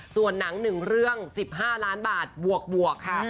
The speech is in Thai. ส่วนหนัง๑เรื่อง๑๕ล้านบาทบวกค่ะ